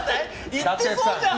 行ってそうじゃん。